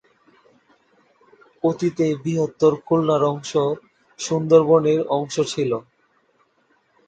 অতীতে বৃহত্তর খুলনা অঞ্চল সুন্দরবনের অংশ ছিলো।